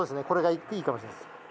これがいいかもしれないです。